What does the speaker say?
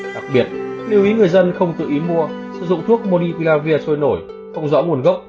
đặc biệt lưu ý người dân không tự ý mua sử dụng thuốc moniplavir sôi nổi không rõ nguồn gốc